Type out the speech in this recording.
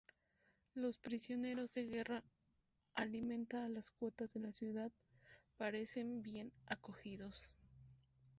Los prisioneros de guerra, alimenta a las cuotas de la ciudad, parecen bien acogidos.